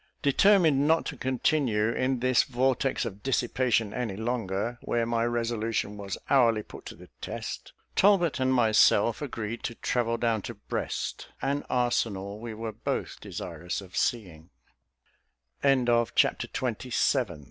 Determined not to continue in this vortex of dissipation any longer, where my resolution was hourly put to the test, Talbot and myself agreed to travel down to Brest, an arsenal we were both desirous of seeing. Chapter XXVIII Pal.